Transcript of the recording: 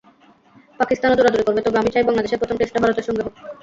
পাকিস্তানও জোরাজুরি করবে, তবে আমি চাই বাংলাদেশের প্রথম টেস্টটা ভারতের সঙ্গে হোক।